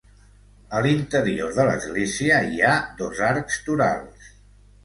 A l'interior de l'església hi ha dos arcs torals.